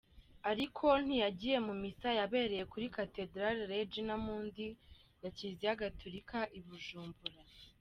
Ariko ntiyagiye mu misa yabereye kuri Cathedrale Regina mundi ya Kiliziya Gatolika I bujumbura.